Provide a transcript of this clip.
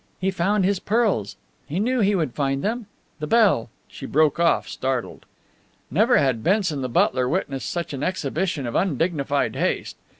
He found his pearls. He knew he would find them! The bell!" she broke off, startled. Never had Benson, the butler, witnessed such an exhibition of undignified haste.